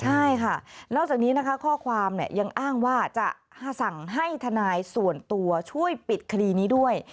ใช่ค่ะนอกจากนี้นะคะข้อความยังอ้างว่าจะสั่งให้ทนายส่วนตัวช่วยปิดคดีนี้ด้วย